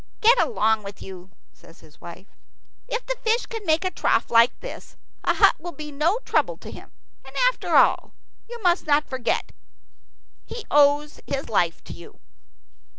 "Get along with you," says his wife. "If the fish can make a trough like this, a hut will be no trouble to him. And, after all, you must not forget he owes his life to you."